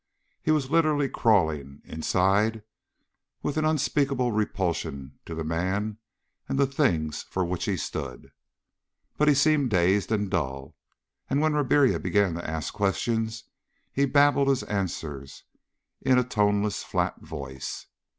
He was literally crawling, inside, with an unspeakable repulsion to the man and the things for which he stood. But he seemed dazed and dull, and when Ribiera began to ask questions he babbled his answers in a toneless, flat voice.